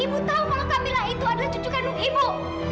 ibu tahu kalau kamila itu adalah cucu kandung ibu